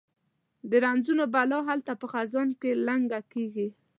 د رنځونو بلا هلته په خزان کې لنګه کیږي